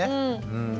うん。